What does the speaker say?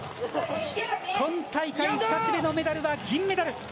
今大会２つ目のメディアは銀メダル！